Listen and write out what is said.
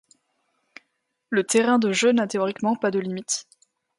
Le terrain de jeu n'a théoriquement pas de limites.